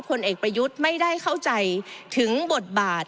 ผลเอกประยุทธ์ไม่ได้เข้าใจถึงบทบาท